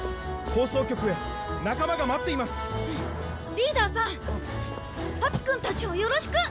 リーダーさんパピくんたちをよろしく。